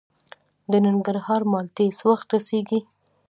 د ننګرهار مالټې څه وخت رسیږي؟